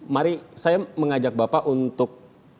mari saya mengajak bapak untuk